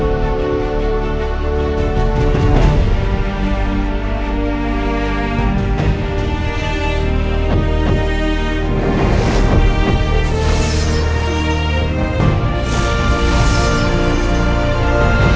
karena aku sudah berhasil menguburkan jasadmu ke dalam boran